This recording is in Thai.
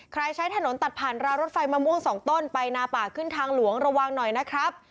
ใช้ถนนตัดผ่านราวรถไฟมะม่วงสองต้นไปนาป่าขึ้นทางหลวงระวังหน่อยนะครับ